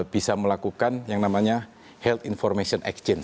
bisa melakukan yang namanya health information exchange